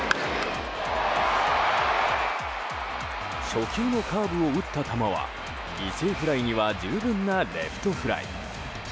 初球のカーブを打った球は犠牲フライには十分なレフトフライ。